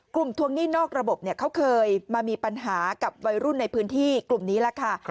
ทวงหนี้นอกระบบเขาเคยมามีปัญหากับวัยรุ่นในพื้นที่กลุ่มนี้แหละค่ะ